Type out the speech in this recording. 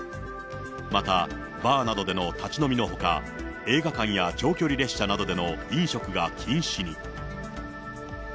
また、バーなどでの立ち飲みのほか、映画館や長距離列車などでの飲食が禁止に。